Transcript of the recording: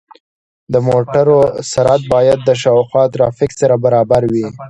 د موټرو سرعت باید د شاوخوا ترافیک سره برابر وي.